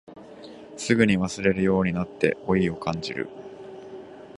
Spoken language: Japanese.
すぐに忘れるようになって老いを感じる